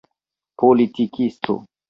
politikisto